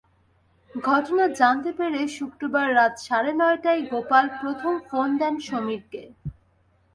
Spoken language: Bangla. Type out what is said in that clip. ঘটনা জানতে পেরে শুক্রবার রাত সাড়ে নয়টায় গোপাল প্রথম ফোন দেন সমীরকে।